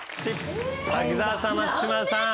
滝沢さん松嶋さん